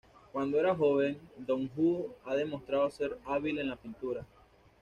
Cuando era joven, Don Ho ha demostrado ser hábil en la pintura.